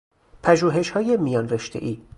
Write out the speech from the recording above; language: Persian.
پژوهشهای میانرشتهای